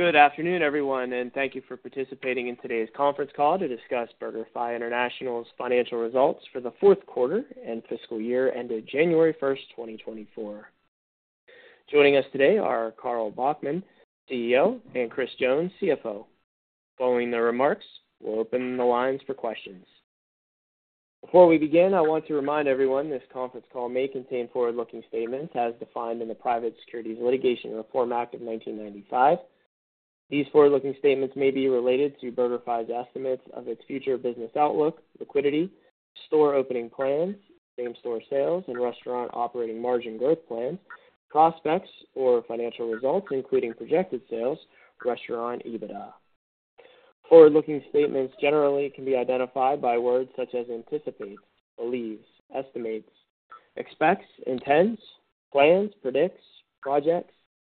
Good afternoon, everyone, and thank you for participating in today's conference call to discuss BurgerFi International's Financial Results for the Fourth Quarter and Fiscal Year ended January 1, 2024. Joining us today are Carl Bachmann, CEO, and Chris Jones, CFO. Following the remarks, we'll open the lines for questions. Before we begin, I want to remind everyone this conference call may contain forward-looking statements as defined in the Private Securities Litigation Reform Act of 1995. These forward-looking statements may be related to BurgerFis estimates of its future business outlook, liquidity, store opening plans, same-store sales and restaurant operating margin growth plans, prospects or financial results, including projected sales, restaurant EBITDA. Forward-looking statements generally can be identified by words such as anticipate, believes, estimates, expects, intends, plans, predicts,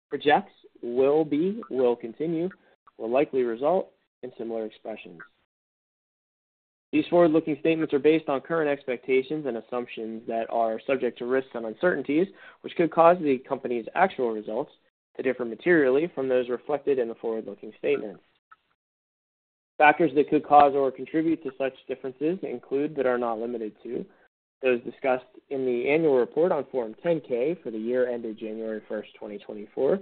projects, will be, will continue, will likely result, and similar expressions. These forward-looking statements are based on current expectations and assumptions that are subject to risks and uncertainties, which could cause the company's actual results to differ materially from those reflected in the forward-looking statements. Factors that could cause or contribute to such differences include, but are not limited to, those discussed in the annual report on Form 10-K for the year ended January 1, 2024,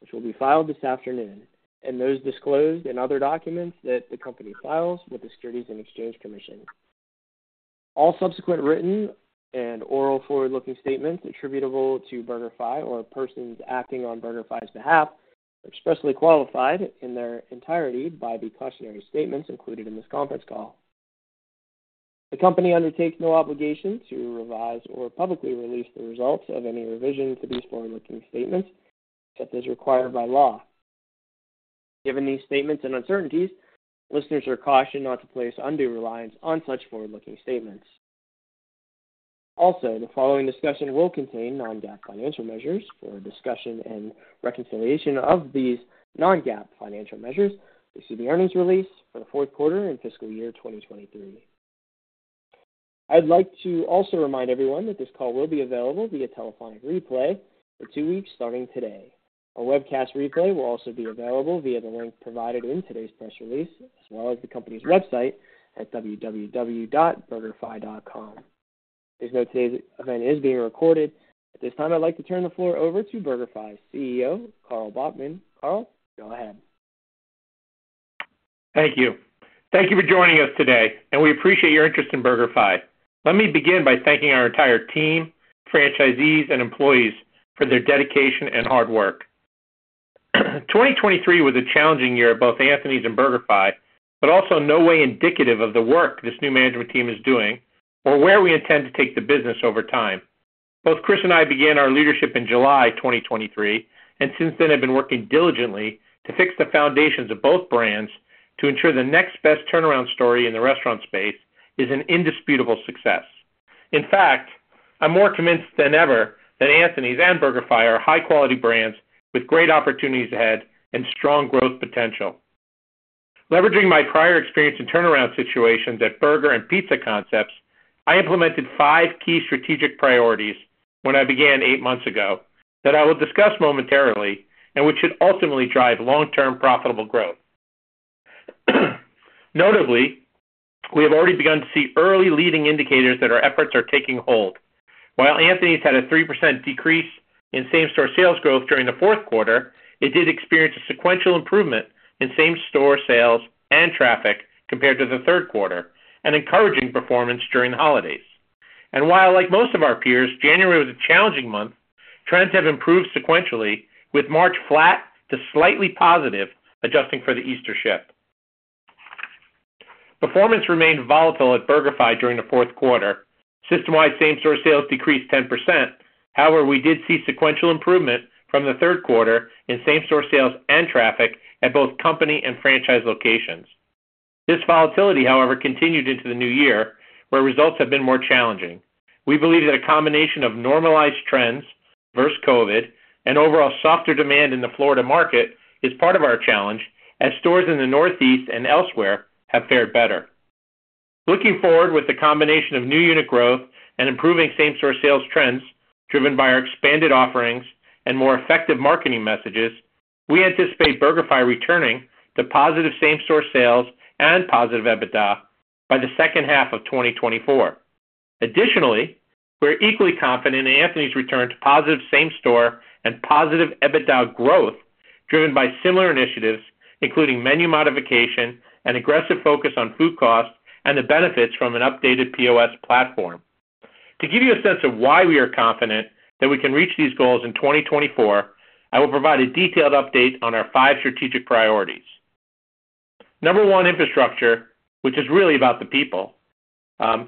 which will be filed this afternoon, and those disclosed in other documents that the company files with the Securities and Exchange Commission. All subsequent written and oral forward-looking statements attributable to BurgerFi or persons acting on BurgerFi's behalf are expressly qualified in their entirety by the cautionary statements included in this conference call. The company undertakes no obligation to revise or publicly release the results of any revision to these forward-looking statements, except as required by law. Given these statements and uncertainties, listeners are cautioned not to place undue reliance on such forward-looking statements. Also, the following discussion will contain non-GAAP financial measures. For a discussion and reconciliation of these non-GAAP financial measures, please see the earnings release for the fourth quarter and fiscal year 2023. I'd like to also remind everyone that this call will be available via telephonic replay for two weeks starting today. A webcast replay will also be available via the link provided in today's press release, as well as the company's website at www.burgerfi.com. Please note that today's event is being recorded. At this time, I'd like to turn the floor over to BurgerFi's CEO, Carl Bachmann. Carl, go ahead. Thank you. Thank you for joining us today, and we appreciate your interest in BurgerFi. Let me begin by thanking our entire team, franchisees, and employees for their dedication and hard work. 2023 was a challenging year at both Anthony's and BurgerFi, but also no way indicative of the work this new management team is doing or where we intend to take the business over time. Both Chris and I began our leadership in July 2023, and since then have been working diligently to fix the foundations of both brands to ensure the next best turnaround story in the restaurant space is an indisputable success. In fact, I'm more convinced than ever that Anthony's and BurgerFi are high-quality brands with great opportunities ahead and strong growth potential. Leveraging my prior experience in turnaround situations at Burger and Pizza Concepts, I implemented five key strategic priorities when I began eight months ago that I will discuss momentarily and which should ultimately drive long-term profitable growth. Notably, we have already begun to see early leading indicators that our efforts are taking hold. While Anthony's had a 3% decrease in same-store sales growth during the fourth quarter, it did experience a sequential improvement in same-store sales and traffic compared to the third quarter, an encouraging performance during the holidays. And while, like most of our peers, January was a challenging month, trends have improved sequentially, with March flat to slightly positive, adjusting for the Easter shift. Performance remained volatile at BurgerFi during the fourth quarter. System-wide same-store sales decreased 10%. However, we did see sequential improvement from the third quarter in same-store sales and traffic at both company and franchise locations. This volatility, however, continued into the new year, where results have been more challenging. We believe that a combination of normalized trends, versus COVID, and overall softer demand in the Florida market is part of our challenge, as stores in the Northeast and elsewhere have fared better. Looking forward, with the combination of new unit growth and improving same-store sales trends, driven by our expanded offerings and more effective marketing messages, we anticipate BurgerFi returning to positive same-store sales and positive EBITDA by the second half of 2024. Additionally, we're equally confident in Anthony's return to positive same-store and positive EBITDA growth, driven by similar initiatives, including menu modification and aggressive focus on food costs and the benefits from an updated POS platform. To give you a sense of why we are confident that we can reach these goals in 2024, I will provide a detailed update on our five strategic priorities. Number one, infrastructure, which is really about the people.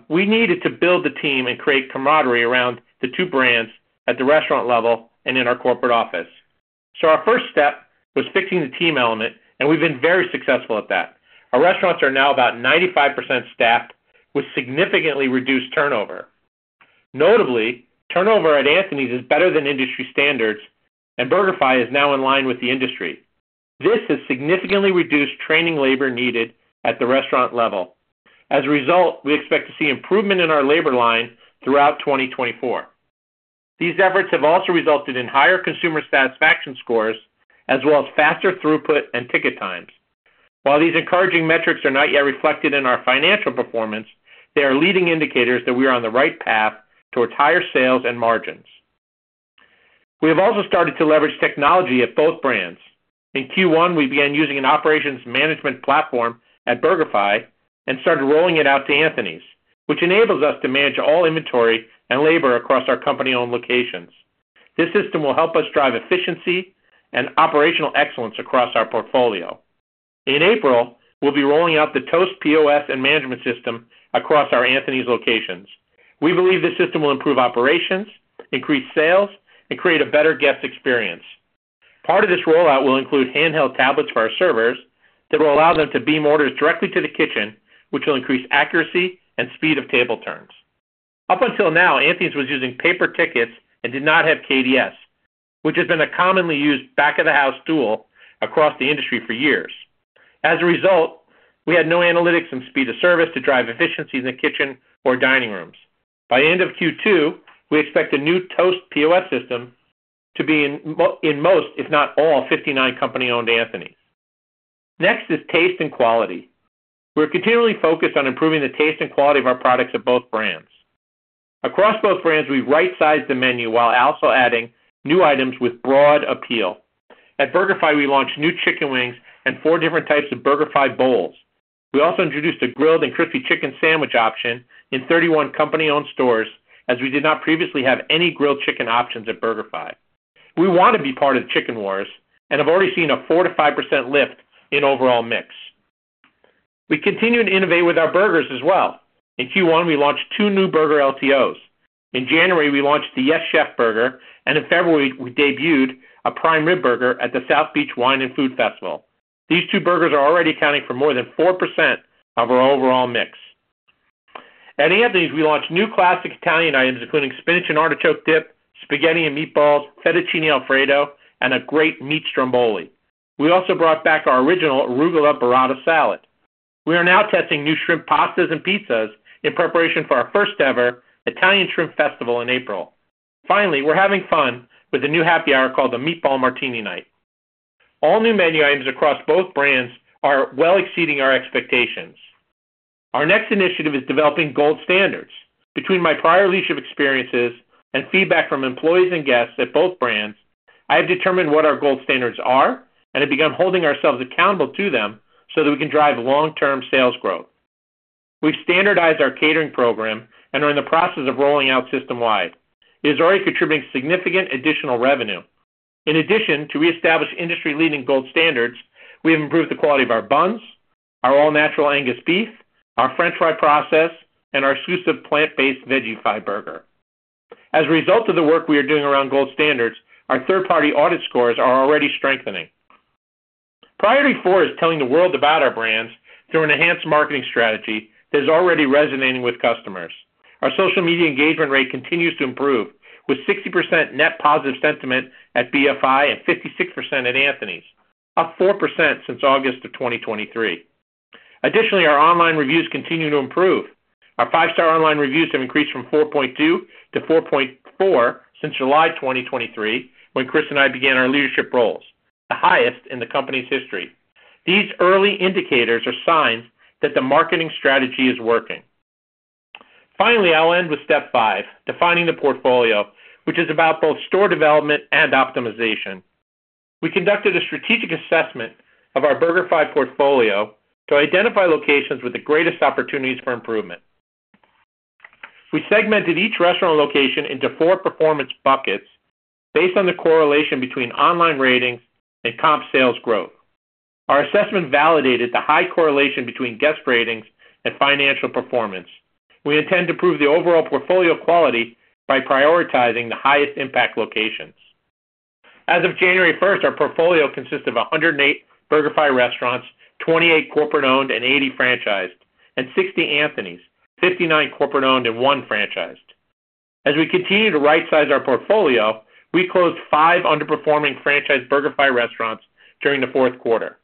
We needed to build the team and create camaraderie around the two brands at the restaurant level and in our corporate office. Our first step was fixing the team element, and we've been very successful at that. Our restaurants are now about 95% staffed, with significantly reduced turnover. Notably, turnover at Anthony's is better than industry standards, and BurgerFi is now in line with the industry. This has significantly reduced training labor needed at the restaurant level. As a result, we expect to see improvement in our labor line throughout 2024.... These efforts have also resulted in higher consumer satisfaction scores, as well as faster throughput and ticket times. While these encouraging metrics are not yet reflected in our financial performance, they are leading indicators that we are on the right path towards higher sales and margins. We have also started to leverage technology at both brands. In Q1, we began using an operations management platform at BurgerFi and started rolling it out to Anthony's, which enables us to manage all inventory and labor across our company-owned locations. This system will help us drive efficiency and operational excellence across our portfolio. In April, we'll be rolling out the Toast POS and management system across our Anthony's locations. We believe this system will improve operations, increase sales, and create a better guest experience. Part of this rollout will include handheld tablets for our servers that will allow them to beam orders directly to the kitchen, which will increase accuracy and speed of table turns. Up until now, Anthony's was using paper tickets and did not have KDS, which has been a commonly used back-of-the-house tool across the industry for years. As a result, we had no analytics and speed of service to drive efficiency in the kitchen or dining rooms. By end of Q2, we expect a new Toast POS system to be in most, if not all, 59 company-owned Anthony's. Next is taste and quality. We're continually focused on improving the taste and quality of our products at both brands. Across both brands, we've right-sized the menu while also adding new items with broad appeal. At BurgerFi, we launched new chicken wings and four different types of BurgerFi Bowls. We also introduced a grilled and crispy chicken sandwich option in 31 company-owned stores, as we did not previously have any grilled chicken options at BurgerFi. We want to be part of the chicken wars and have already seen a 4%-5% lift in overall mix. We continued to innovate with our burgers as well. In Q1, we launched 2 new burger LTOs. In January, we launched the Yes Chef burger, and in February, we debuted a prime rib burger at the South Beach Wine & Food Festival. These 2 burgers are already accounting for more than 4% of our overall mix. At Anthony's, we launched new classic Italian items, including spinach and artichoke dip, spaghetti and meatballs, fettuccine Alfredo, and a great meat stromboli. We also brought back our original arugula burrata salad. We are now testing new shrimp pastas and pizzas in preparation for our first-ever Italian Shrimp Festival in April. Finally, we're having fun with a new happy hour called the Meatball Martini Night. All new menu items across both brands are well exceeding our expectations. Our next initiative is developing gold standards. Between my prior leadership experiences and feedback from employees and guests at both brands, I have determined what our gold standards are and have begun holding ourselves accountable to them so that we can drive long-term sales growth. We've standardized our catering program and are in the process of rolling out system-wide. It is already contributing significant additional revenue. In addition to reestablish industry-leading gold standards, we have improved the quality of our buns, our all-natural Angus beef, our French fry process, and our exclusive plant-based VegeFi burger. As a result of the work we are doing around gold standards, our third-party audit scores are already strengthening. Priority four is telling the world about our brands through an enhanced marketing strategy that is already resonating with customers. Our social media engagement rate continues to improve, with 60% net positive sentiment at BFI and 56% at Anthony's, up 4% since August 2023. Additionally, our online reviews continue to improve. Our five-star online reviews have increased from 4.2 to 4.4 since July 2023, when Chris and I began our leadership roles, the highest in the company's history. These early indicators are signs that the marketing strategy is working. Finally, I'll end with step five, defining the portfolio, which is about both store development and optimization. We conducted a strategic assessment of our BurgerFi portfolio to identify locations with the greatest opportunities for improvement. We segmented each restaurant location into four performance buckets based on the correlation between online ratings and comp sales growth. Our assessment validated the high correlation between guest ratings and financial performance. We intend to prove the overall portfolio quality by prioritizing the highest impact locations. As of January 1, our portfolio consists of 108 BurgerFi restaurants, 28 corporate-owned and 80 franchised, and 60 Anthony's, 59 corporate-owned and one franchised. As we continue to rightsize our portfolio, we closed five underperforming franchised BurgerFi restaurants during the fourth quarter.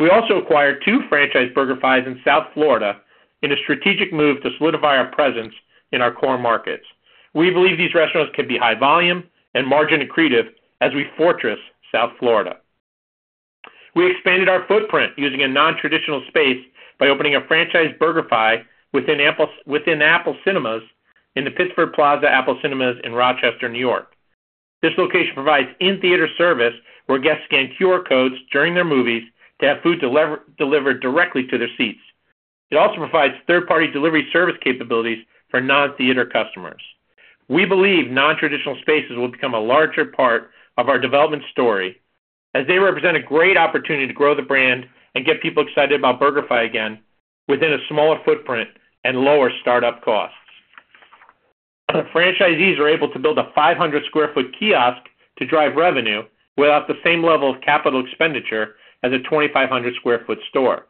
We also acquired two franchised BurgerFis in South Florida in a strategic move to solidify our presence in our core markets. We believe these restaurants could be high volume and margin accretive as we fortress South Florida. We expanded our footprint using a nontraditional space by opening a franchised BurgerFi within Apple Cinemas in the Pittsford Plaza Apple Cinemas in Rochester, New York. This location provides in-theater service, where guests scan QR codes during their movies to have food delivered directly to their seats. It also provides third-party delivery service capabilities for non-theater customers. We believe nontraditional spaces will become a larger part of our development story, as they represent a great opportunity to grow the brand and get people excited about BurgerFi again, within a smaller footprint and lower startup costs. Our franchisees are able to build a 500 sq ft kiosk to drive revenue without the same level of capital expenditure as a 2,500 sq ft store.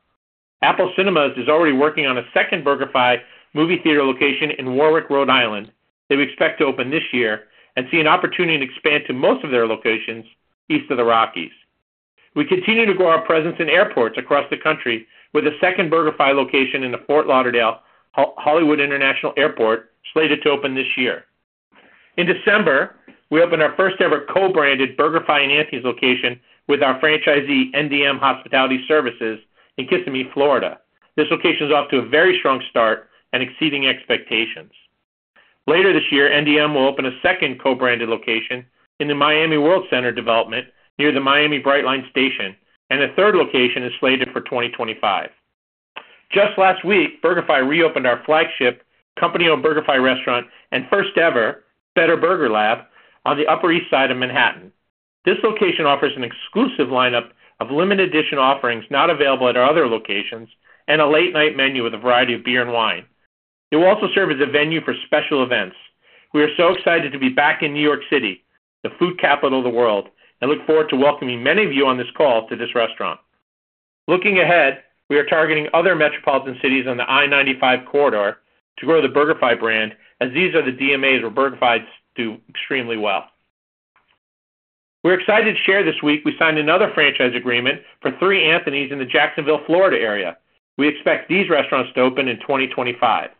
Apple Cinemas is already working on a second BurgerFi movie theater location in Warwick, Rhode Island, that we expect to open this year and see an opportunity to expand to most of their locations east of the Rockies. We continue to grow our presence in airports across the country, with a second BurgerFi location in the Fort Lauderdale-Hollywood International Airport, slated to open this year. In December, we opened our first-ever co-branded BurgerFi and Anthony's location with our franchisee, NDM Hospitality Services, in Kissimmee, Florida. This location is off to a very strong start and exceeding expectations. Later this year, NDM will open a second co-branded location in the Miami Worldcenter development near the Miami Brightline station, and a third location is slated for 2025. Just last week, BurgerFi reopened our flagship company-owned BurgerFi restaurant and first ever Better Burger Lab on the Upper East Side of Manhattan. This location offers an exclusive lineup of limited edition offerings not available at our other locations and a late-night menu with a variety of beer and wine. It will also serve as a venue for special events. We are so excited to be back in New York City, the food capital of the world, and look forward to welcoming many of you on this call to this restaurant. Looking ahead, we are targeting other metropolitan cities on the I-95 corridor to grow the BurgerFi brand, as these are the DMAs where BurgerFi's do extremely well. We're excited to share this week we signed another franchise agreement for three Anthony's in the Jacksonville, Florida, area. We expect these restaurants to open in 2025.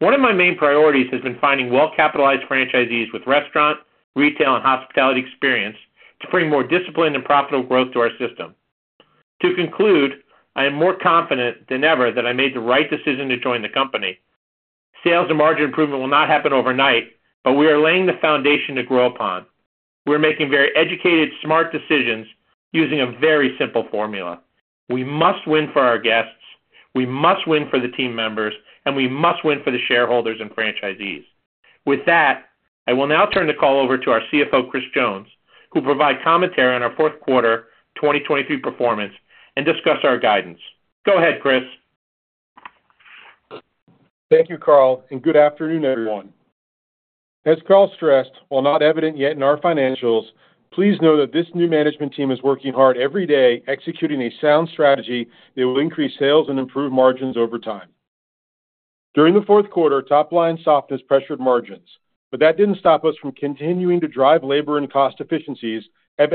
One of my main priorities has been finding well-capitalized franchisees with restaurant, retail, and hospitality experience to bring more discipline and profitable growth to our system. To conclude, I am more confident than ever that I made the right decision to join the company. Sales and margin improvement will not happen overnight, but we are laying the foundation to grow upon. We're making very educated, smart decisions using a very simple formula. We must win for our guests, we must win for the team members, and we must win for the shareholders and franchisees. With that, I will now turn the call over to our CFO, Chris Jones, who'll provide commentary on our fourth quarter 2023 performance and discuss our guidance. Go ahead, Chris. Thank you, Carl, and good afternoon, everyone. As Carl stressed, while not evident yet in our financials, please know that this new management team is working hard every day, executing a sound strategy that will increase sales and improve margins over time. During the fourth quarter, top-line softness pressured margins, but that didn't stop us from continuing to drive labor and cost efficiencies, as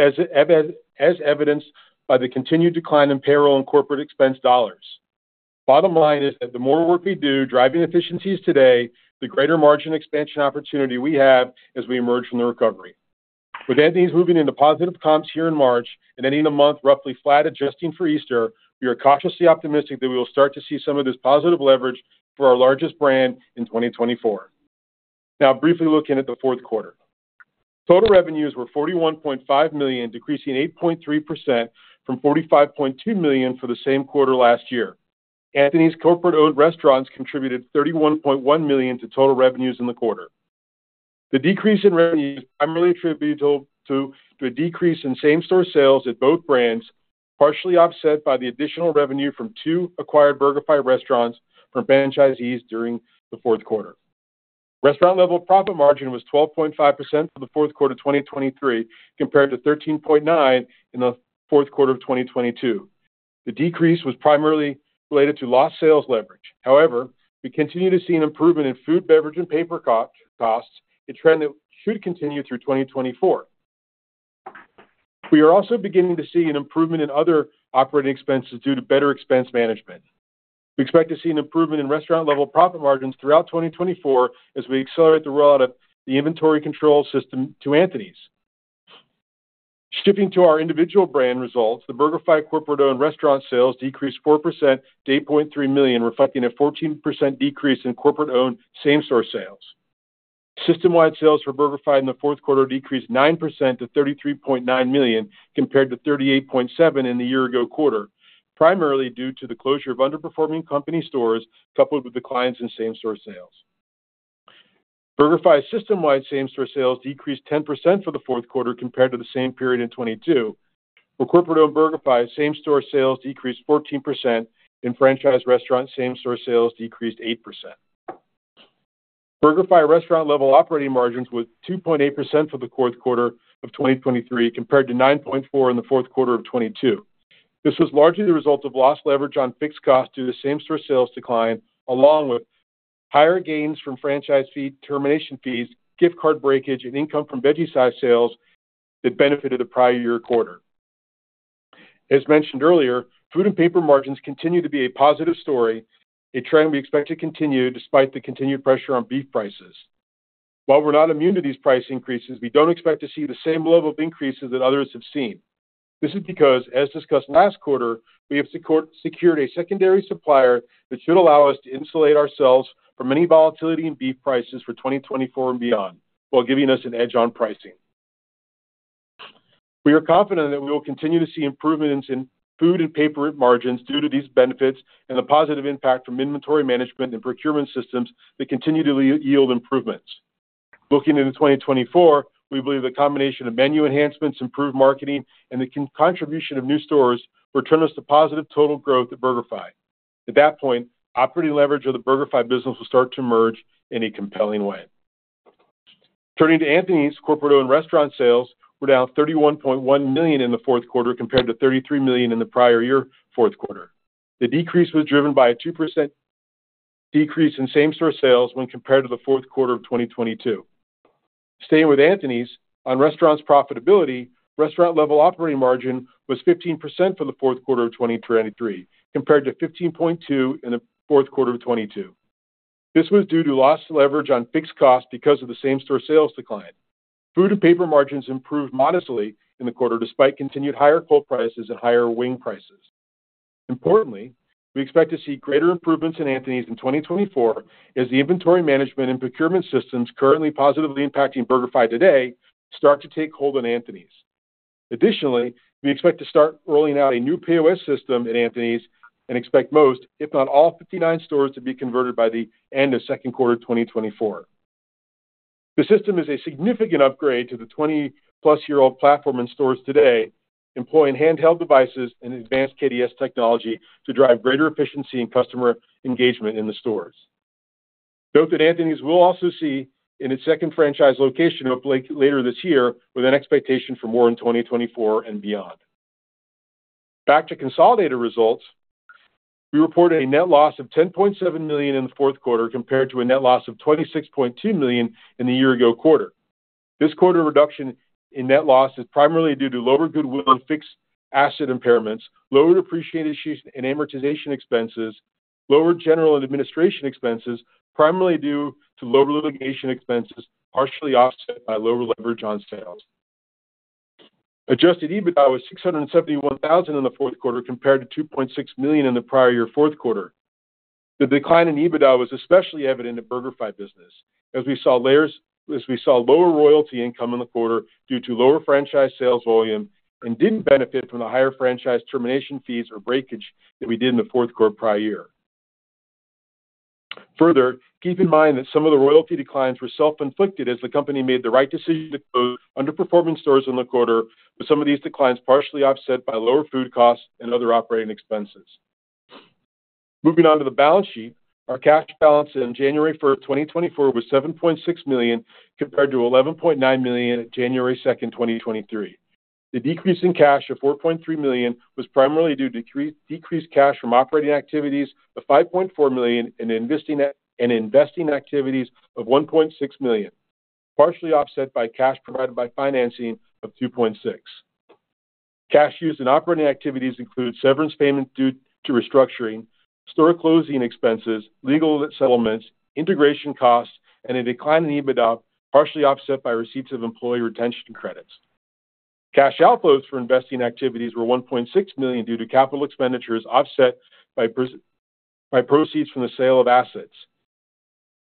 evidenced by the continued decline in payroll and corporate expense dollars. Bottom line is that the more work we do driving efficiencies today, the greater margin expansion opportunity we have as we emerge from the recovery. With Anthony's moving into positive comps here in March and ending the month roughly flat, adjusting for Easter, we are cautiously optimistic that we will start to see some of this positive leverage for our largest brand in 2024. Now briefly looking at the fourth quarter. Total revenues were $41.5 million, decreasing 8.3% from $45.2 million for the same quarter last year. Anthony's corporate-owned restaurants contributed $31.1 million to total revenues in the quarter. The decrease in revenues primarily attributable to a decrease in same-store sales at both brands, partially offset by the additional revenue from 2 acquired BurgerFi restaurants from franchisees during the fourth quarter. Restaurant level profit margin was 12.5% for the fourth quarter of 2023, compared to 13.9% in the fourth quarter of 2022. The decrease was primarily related to lost sales leverage. However, we continue to see an improvement in food, beverage, and paper costs, a trend that should continue through 2024. We are also beginning to see an improvement in other operating expenses due to better expense management. We expect to see an improvement in restaurant level profit margins throughout 2024 as we accelerate the rollout of the inventory control system to Anthony's. Skipping to our individual brand results, the BurgerFi corporate-owned restaurant sales decreased 4% to $8.3 million, reflecting a 14% decrease in corporate-owned same-store sales. System-wide sales for BurgerFi in the fourth quarter decreased 9% to $33.9 million, compared to $38.7 million in the year ago quarter, primarily due to the closure of underperforming company stores, coupled with the declines in same-store sales. BurgerFi's system-wide same-store sales decreased 10% for the fourth quarter compared to the same period in 2022, where corporate-owned BurgerFi same-store sales decreased 14%, and franchise restaurant same-store sales decreased 8%. BurgerFi restaurant level operating margins was 2.8% for the fourth quarter of 2023, compared to 9.4% in the fourth quarter of 2022. This was largely the result of lost leverage on fixed costs due to same-store sales decline, along with higher gains from franchise fee, termination fees, gift card breakage, and income from VegeFi sales that benefited the prior year quarter. As mentioned earlier, food and paper margins continue to be a positive story, a trend we expect to continue despite the continued pressure on beef prices. While we're not immune to these price increases, we don't expect to see the same level of increases that others have seen. This is because, as discussed last quarter, we have secured a secondary supplier that should allow us to insulate ourselves from any volatility in beef prices for 2024 and beyond, while giving us an edge on pricing. We are confident that we will continue to see improvements in food and paper margins due to these benefits and the positive impact from inventory management and procurement systems that continue to yield improvements. Looking into 2024, we believe the combination of menu enhancements, improved marketing, and the contribution of new stores will return us to positive total growth at BurgerFi. At that point, operating leverage of the BurgerFi business will start to emerge in a compelling way. Turning to Anthony's, corporate-owned restaurant sales were down $31.1 million in the fourth quarter, compared to $33 million in the prior year fourth quarter. The decrease was driven by a 2% decrease in same-store sales when compared to the fourth quarter of 2022. Staying with Anthony's, on restaurant profitability, restaurant level operating margin was 15% for the fourth quarter of 2023, compared to 15.2% in the fourth quarter of 2022. This was due to less leverage on fixed costs because of the same-store sales decline. Food and paper margins improved modestly in the quarter, despite continued higher pulp prices and higher wing prices. Importantly, we expect to see greater improvements in Anthony's in 2024, as the inventory management and procurement systems currently positively impacting BurgerFi today, start to take hold on Anthony's. Additionally, we expect to start rolling out a new POS system at Anthony's and expect most, if not all, 59 stores to be converted by the end of second quarter 2024. The system is a significant upgrade to the 20+-year-old platform in stores today, employing handheld devices and advanced KDS technology to drive greater efficiency and customer engagement in the stores. Note that Anthony's will also see in its second franchise location, hopefully later this year, with an expectation for more in 2024 and beyond. Back to consolidated results, we reported a net loss of $10.7 million in the fourth quarter, compared to a net loss of $26.2 million in the year ago quarter. This quarter reduction in net loss is primarily due to lower goodwill and fixed asset impairments, lower depreciation and amortization expenses, lower general and administration expenses, primarily due to lower litigation expenses, partially offset by lower leverage on sales. Adjusted EBITDA was $671 thousand in the fourth quarter, compared to $2.6 million in the prior year fourth quarter. The decline in EBITDA was especially evident in BurgerFi business, as we saw lower royalty income in the quarter due to lower franchise sales volume and didn't benefit from the higher franchise termination fees or breakage that we did in the fourth quarter prior year. Further, keep in mind that some of the royalty declines were self-inflicted as the company made the right decision to close underperforming stores in the quarter, with some of these declines partially offset by lower food costs and other operating expenses. Moving on to the balance sheet. Our cash balance on January first, 2024, was $7.6 million, compared to $11.9 million on January second, 2023. The decrease in cash of $4.3 million was primarily due to decreased cash from operating activities of $5.4 million and investing activities of $1.6 million, partially offset by cash provided by financing of $2.6 million. Cash use in operating activities include severance payments due to restructuring, store closing expenses, legal settlements, integration costs, and a decline in EBITDA, partially offset by receipts of employee retention credits. Cash outflows for investing activities were $1.6 million due to capital expenditures, offset by proceeds from the sale of assets.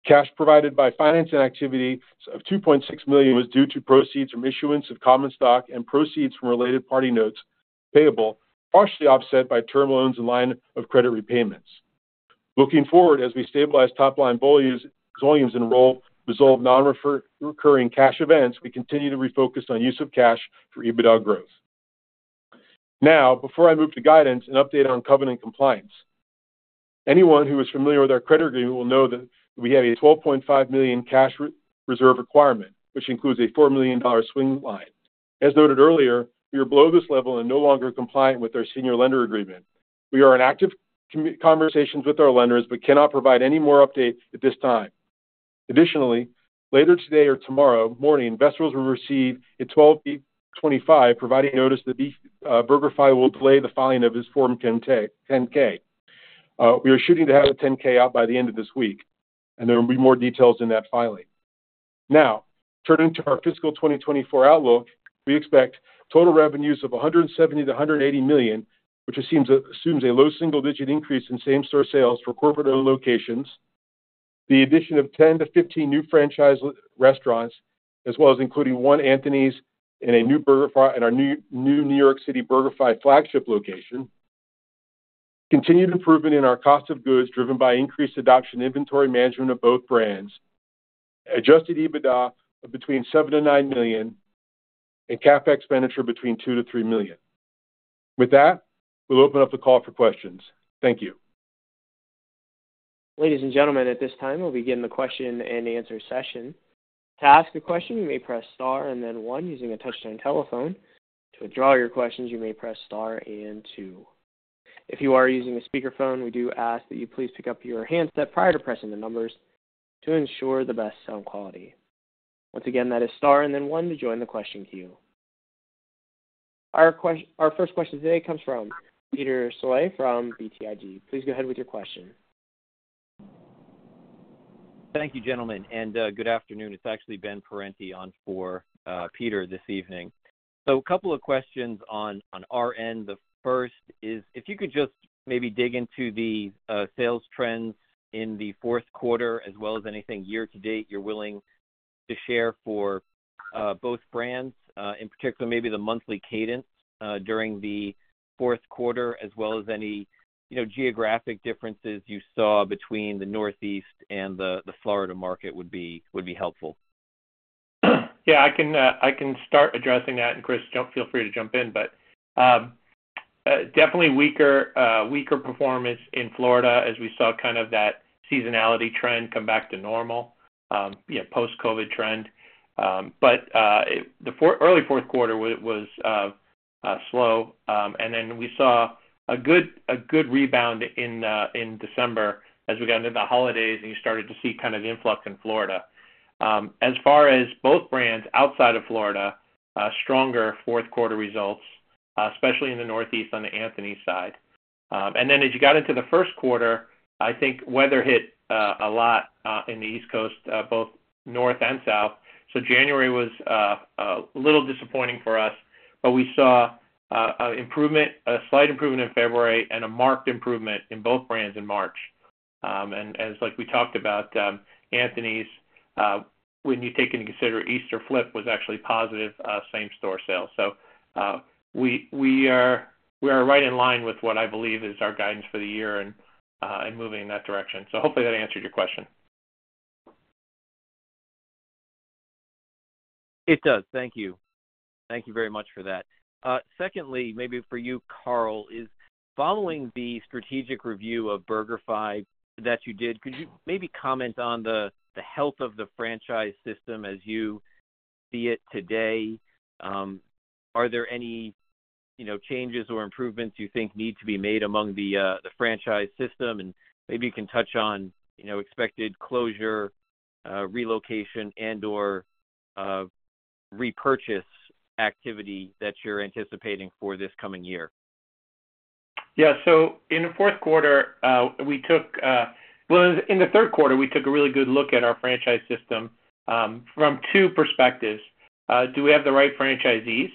Cash provided by financing activity of $2.6 million was due to proceeds from issuance of common stock and proceeds from related party notes payable, partially offset by term loans and line of credit repayments. Looking forward, as we stabilize top-line volumes and resolve nonrecurring cash events, we continue to refocus on use of cash for EBITDA growth. Now, before I move to guidance, an update on covenant compliance. Anyone who is familiar with our credit agreement will know that we have a $12.5 million cash reserve requirement, which includes a $4 million swing line. As noted earlier, we are below this level and no longer compliant with our senior lender agreement. We are in active conversations with our lenders, but cannot provide any more updates at this time. Additionally, later today or tomorrow morning, investors will receive a 12b-25, providing notice that BurgerFi will delay the filing of its Form 10-K. We are shooting to have the 10-K out by the end of this week, and there will be more details in that filing. Now, turning to our fiscal 2024 outlook, we expect total revenues of $170 million-$180 million, which assumes, assumes a low single-digit increase in same-store sales for corporate-owned locations, the addition of 10-15 new franchise restaurants, as well as including one Anthony's in a new BurgerFi-- in our new, new New York City BurgerFi flagship location. Continued improvement in our cost of goods, driven by increased adoption inventory management of both brands. Adjusted EBITDA of $7 million-$9 million, and CapEx between $2 million-$3 million. With that, we'll open up the call for questions. Thank you. Ladies and gentlemen, at this time, we'll begin the question and answer session. To ask a question, you may press Star and then One using a touchtone telephone. To withdraw your questions, you may press Star and Two. If you are using a speakerphone, we do ask that you please pick up your handset prior to pressing the numbers to ensure the best sound quality. Once again, that is Star and then One to join the question queue. Our first question today comes from Peter Saleh from BTIG. Please go ahead with your question. Thank you, gentlemen, and good afternoon. It's actually Ben Parente on for Peter this evening. So a couple of questions on our end. The first is, if you could just maybe dig into the sales trends in the fourth quarter as well as anything year to date you're willing to share for both brands, in particular, maybe the monthly cadence during the fourth quarter, as well as any, you know, geographic differences you saw between the Northeast and the Florida market would be helpful. Yeah, I can, I can start addressing that, and, Chris, feel free to jump in. But, definitely weaker, weaker performance in Florida as we saw kind of that seasonality trend come back to normal, you know, post-COVID trend. But, it the early fourth quarter was,... slow. And then we saw a good, a good rebound in December as we got into the holidays, and you started to see kind of the influx in Florida. As far as both brands outside of Florida, stronger fourth quarter results, especially in the Northeast, on the Anthony's side. And then as you got into the first quarter, I think weather hit a lot in the East Coast, both north and south. So January was a little disappointing for us, but we saw a slight improvement in February and a marked improvement in both brands in March. And as like we talked about, Anthony's, when you take into consideration, Easter flip was actually positive same store sales. So, we are right in line with what I believe is our guidance for the year and moving in that direction. So hopefully that answered your question. It does. Thank you. Thank you very much for that. Secondly, maybe for you, Carl, is following the strategic review of BurgerFi that you did, could you maybe comment on the health of the franchise system as you see it today? Are there any, you know, changes or improvements you think need to be made among the franchise system? And maybe you can touch on, you know, expected closure, relocation, and/or repurchase activity that you're anticipating for this coming year. Yeah. So in the fourth quarter... Well, in the third quarter, we took a really good look at our franchise system from two perspectives: Do we have the right franchisees,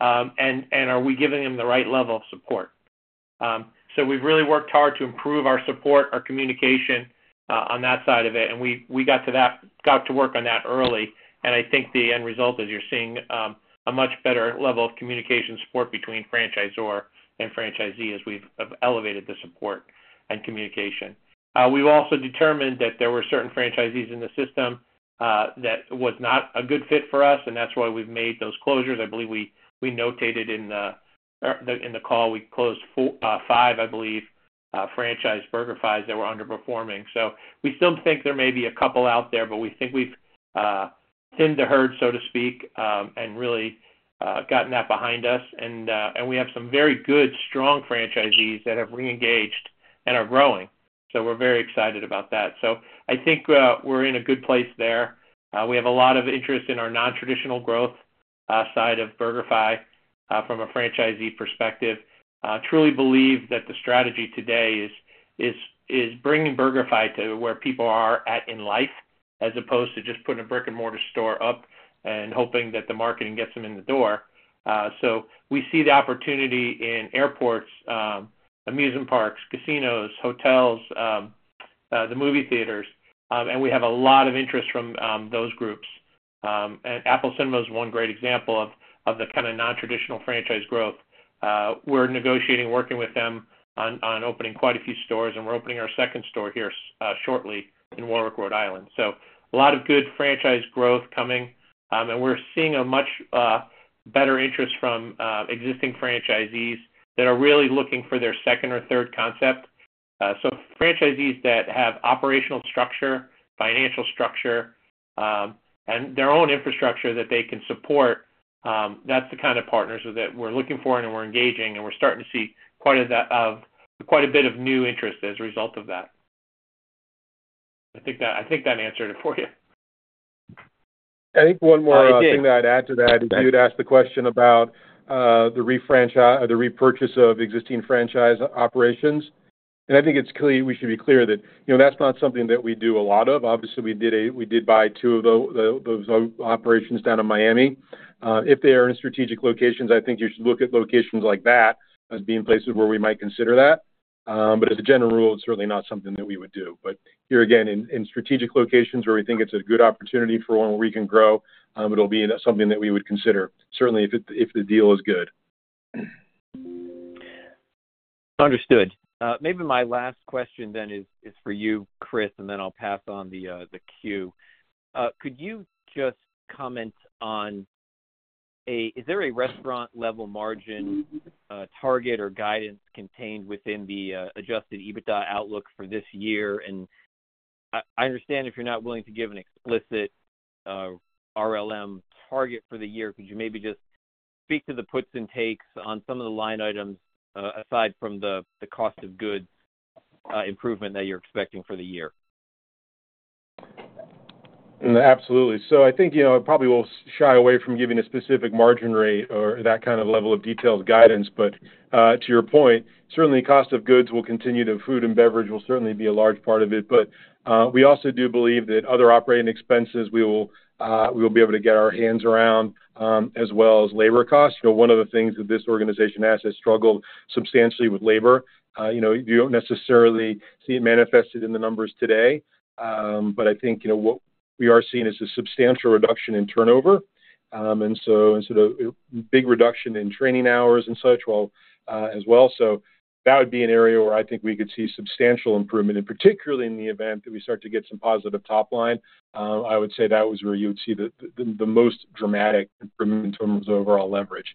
and are we giving them the right level of support? So we've really worked hard to improve our support, our communication on that side of it, and we got to work on that early. And I think the end result is you're seeing a much better level of communication support between franchisor and franchisee as we've elevated the support and communication. We've also determined that there were certain franchisees in the system that was not a good fit for us, and that's why we've made those closures. I believe we noted in the call, we closed 5, I believe, franchise BurgerFi's that were underperforming. So we still think there may be a couple out there, but we think we've thinned the herd, so to speak, and really gotten that behind us. And we have some very good, strong franchisees that have reengaged and are growing. So we're very excited about that. So I think we're in a good place there. We have a lot of interest in our nontraditional growth side of BurgerFi from a franchisee perspective. Truly believe that the strategy today is bringing BurgerFi to where people are at in life, as opposed to just putting a brick-and-mortar store up and hoping that the marketing gets them in the door. So we see the opportunity in airports, amusement parks, casinos, hotels, the movie theaters, and we have a lot of interest from those groups. And Apple Cinemas is one great example of the kind of nontraditional franchise growth. We're negotiating, working with them on opening quite a few stores, and we're opening our second store here shortly in Warwick, Rhode Island. So a lot of good franchise growth coming. And we're seeing a much better interest from existing franchisees that are really looking for their second or third concept. So franchisees that have operational structure, financial structure, and their own infrastructure that they can support, that's the kind of partners that we're looking for and we're engaging, and we're starting to see quite a bit of new interest as a result of that. I think that, I think that answered it for you. I think one more, It did... thing that I'd add to that is, you'd asked the question about, the refranchise, the repurchase of existing franchise operations, and I think it's clear, we should be clear that, you know, that's not something that we do a lot of. Obviously, we did buy two of those operations down in Miami. If they are in strategic locations, I think you should look at locations like that as being places where we might consider that. But as a general rule, it's really not something that we would do. But here, again, in strategic locations where we think it's a good opportunity for one where we can grow, it'll be something that we would consider. Certainly, if the deal is good. Understood. Maybe my last question then is for you, Chris, and then I'll pass on the queue. Could you just comment on a... Is there a restaurant-level margin target or guidance contained within the Adjusted EBITDA outlook for this year? And I understand if you're not willing to give an explicit RLM target for the year. Could you maybe just speak to the puts and takes on some of the line items aside from the cost of goods improvement that you're expecting for the year? Absolutely. So I think, you know, I probably will shy away from giving a specific margin rate or that kind of level of detailed guidance. But to your point, certainly food and beverage will certainly be a large part of it. But we also do believe that other operating expenses, we will be able to get our hands around, as well as labor costs. You know, one of the things that this organization has struggled substantially with labor. You know, you don't necessarily see it manifested in the numbers today, but I think, you know, what we are seeing is a substantial reduction in turnover. And so the big reduction in training hours and such will, as well. So that would be an area where I think we could see substantial improvement, and particularly in the event that we start to get some positive top line. I would say that was where you would see the most dramatic improvement in terms of overall leverage.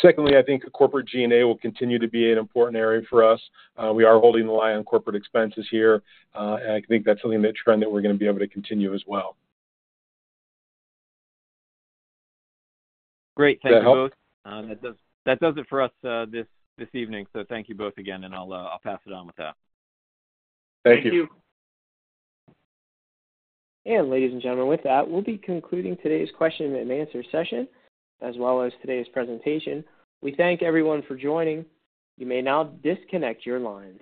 Secondly, I think corporate G&A will continue to be an important area for us. We are holding the line on corporate expenses here, and I think that's something, that trend, that we're going to be able to continue as well. Great. Thank you both. Does that help? That does it for us this evening. So thank you both again, and I'll pass it on with that. Thank you. Thank you. Ladies and gentlemen, with that, we'll be concluding today's question-and-answer session as well as today's presentation. We thank everyone for joining. You may now disconnect your lines.